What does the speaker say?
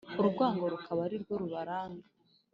urwango rukaba ari rwo rubaranga